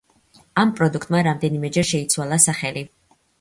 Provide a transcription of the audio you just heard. ამ პროდუქტმა რამდენიმეჯერ შეიცვალა სახელი.